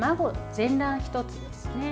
全卵１つですね。